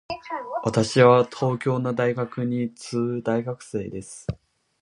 私は東京の大学に通う大学生です。